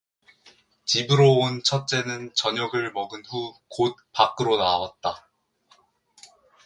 집으로 온 첫째는 저녁을 먹은 후 곧 밖으로 나왔다.